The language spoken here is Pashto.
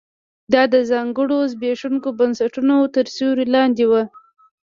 دا د ځانګړو زبېښونکو بنسټونو تر سیوري لاندې و